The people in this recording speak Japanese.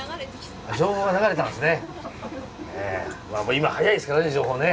今早いですからね情報ね。